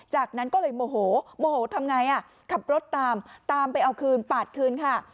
จากนั้นก็เลยโมโหโมโหทำไงอ่ะขับรถตามตามไปเอาคืน๘คืนค่ะ